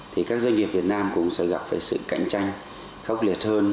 thì các doanh nghiệp việt nam cũng sẽ gặp phải sự cạnh tranh khốc liệt hơn